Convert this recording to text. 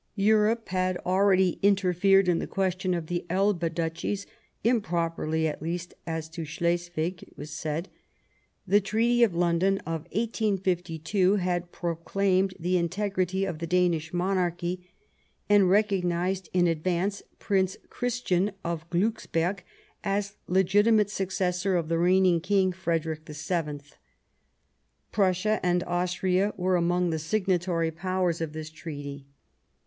Europe had already interfered in the question of the Elbe Duchies, improperly at least as to Slesvig, it was said ; the Treaty of London of 1852 had proclaimed the integrity of the Danish Monarchy, and recognized in advance Prince Chris tian of Glucksberg as legitimate successor of the reigning King, Frederick VH ; Prussia and Austria were among the Signatory Powers of this Treaty.